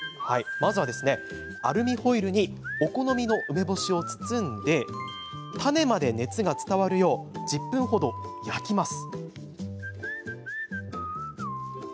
まずは、アルミホイルにお好みの梅干しを包み種まで熱が伝わるよう１０分ほど焼きます。